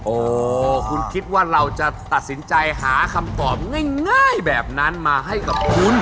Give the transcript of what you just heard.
โอ้คุณคิดว่าเราจะตัดสินใจหาคำตอบง่ายแบบนั้นมาให้กับคุณ